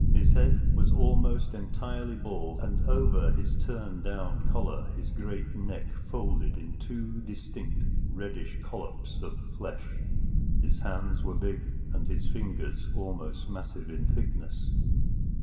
His head was almost entirely bald, and over his turn down collar his great neck folded in two distinct reddish collops of flesh. His hands were big and his fingers almost massive in thickness.